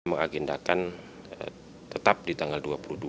mengagendakan tetap di tanggal dua puluh dua